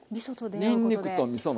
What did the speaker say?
にんにくとみその出合い。